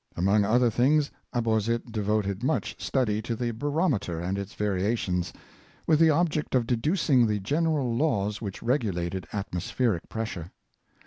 Among other things, Abauzit devoted much study to the barom eter and its variations, with the object of deducing the general laws which regulated atmospheric pressure.